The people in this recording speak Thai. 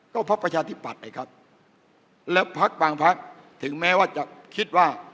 ก็เพราะประชาธิปัตย์ครับแล้วพักบางพักถึงแม้ว่าจะคิดว่า